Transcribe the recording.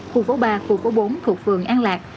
khu phố ba khu phố bốn thuộc phường an lạc